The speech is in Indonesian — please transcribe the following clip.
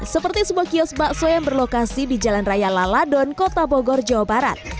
seperti sebuah kios bakso yang berlokasi di jalan raya laladon kota bogor jawa barat